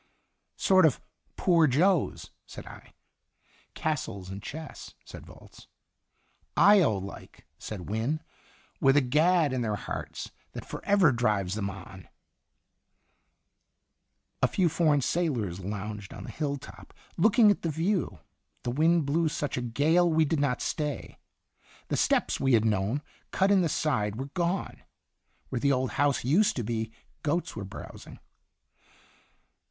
"Sort of 'Poor Jo's,'" said I. " Castles in chess," said Volz. "lo like," said Wynne, "with a gad in their hearts that forever drives them on." Itinerant 40ns. 13 A few foreign sailors lounged on the hill top, looking at the view. The wind blew such a gale we did not stay. The steps we had known, cut in the side, were gone. Where the old house used to be, goats were browsing.